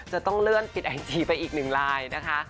จะต้องเลื่อนปิดไอจีไปอีกหนึ่งลายนะคะ